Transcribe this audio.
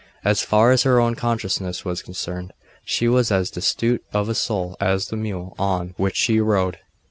As far as her own consciousness was concerned, she was as destitute of a soul as the mule on which she rode.